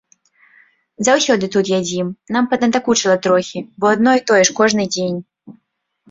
Заўсёды тут ядзім, нам паднадакучыла трохі, бо адно і тое ж кожны дзень.